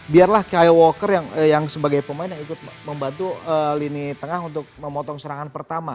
biarlah ky walker yang sebagai pemain yang ikut membantu lini tengah untuk memotong serangan pertama